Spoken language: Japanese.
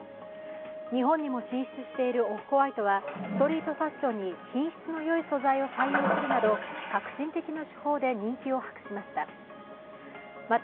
日本にも進出しているオフ−ホワイトはストリートファッションに品質のよい素材を採用するなど革新的な手法で人気を博しました。